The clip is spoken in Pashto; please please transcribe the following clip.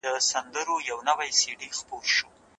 حکومتونه خپل ملتونه په مختلفو کارونو بوخت ساتي.